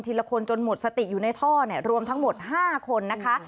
ละคนจนหมดสติอยู่ในท่อเนี่ยรวมทั้งหมด๕คนนะคะ